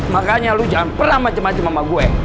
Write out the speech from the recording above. makanya lu jangan pernah macem macem sama gue